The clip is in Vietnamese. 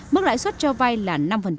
mức lãi xuất cho vai là năm